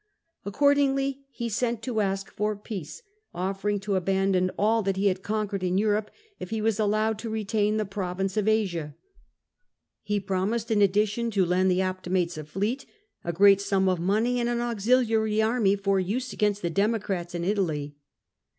Accordingly he sent to ask for peace, offering to abandon all that he had conquered in Europe if he were allowed to retain the province of Asia. He promised in addition to lend the Optimates a fleet, a great sum of money, and an auxiliary army for use against the Democrats in Italy.